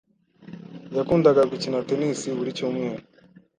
Yakundaga gukina tennis buri cyumweru.